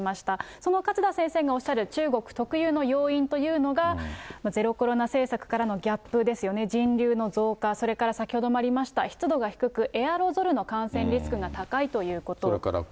その勝田先生がおっしゃる、中国特有の要因というのが、ゼロコロナ政策からのギャップですよね、人流の増加、それから先ほどもありました、湿度が低く、エアロゾルの感染リスクが高いということ。